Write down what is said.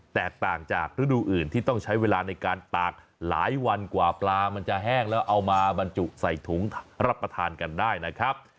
แตกต่างจากฤดูอื่นที่ต้องใช้เวลาในการตากหลายวันกว่าปลามันจะแห้งแล้วเอามาบรรจุใส่ถุงรับประทานกันได้นะครับ